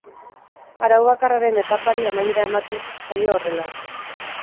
Arau bakarraren etapari amaiera ematen zaio horrela.